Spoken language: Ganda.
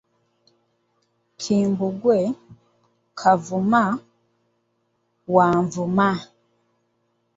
Kimbugwe Kavuma, wa Nvuma.